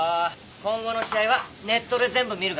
今後の試合はネットで全部見るからな。